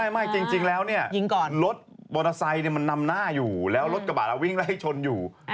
ไม่จริงแล้วรถบอตโอทัยมันนำหน้าอยู่แล้วรถกระบาดละวิ้งและให้ชนอยู่